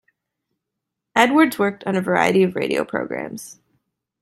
Edwards worked on a variety of radio programs.